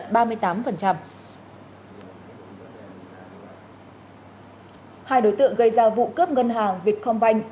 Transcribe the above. hai đối tượng gây ra vụ cướp ngân hàng việt công banh